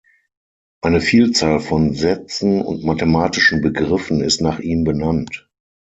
Eine Vielzahl von Sätzen und mathematischen Begriffen ist nach ihm benannt.